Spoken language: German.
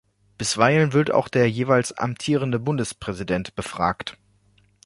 Bisweilen wird auch der jeweils amtierende Bundespräsident befragt.